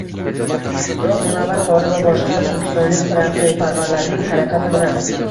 Biroq, Munavvar qori va boshqa turkistonlik taraqqiyparvarlarning harakati bilan